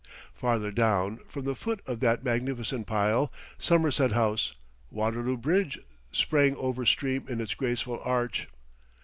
Farther down, from the foot of that magnificent pile, Somerset House, Waterloo Bridge sprang over stream in its graceful arch....